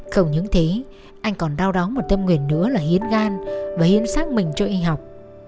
không những thế anh còn đau đáu một tâm nguyện nữa là hiến gan và hiến sát mình cho y học